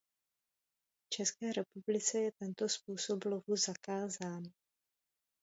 V České republice je tento způsob lovu zakázán.